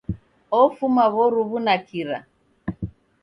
Ofuma w'oruw'u na kira.